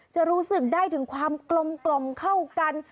จะรู้สึกได้ถึงความกลมเข้ากัน